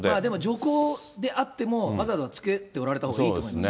徐行であっても、ハザードはつけておいたほうがいいと思います。